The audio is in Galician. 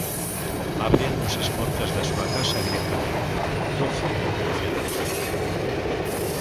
Abríannos as portas da súa casa directamente Doce ou trece anos.